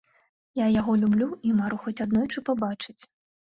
Я яго люблю і мару хоць аднойчы пабачыць.